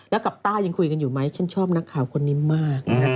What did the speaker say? แล้วกับต้ายังคุยกันอยู่ไหมฉันชอบนักข่าวคนนี้มาก